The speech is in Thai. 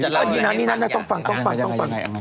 นี่น่ะนี่น่ะต้องฟังต้องฟัง